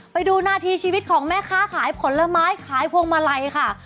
ไปดูหน้าที่ชีวิตของแม่ค้าขายผลไม้ขายพวงมาลัยค่ะ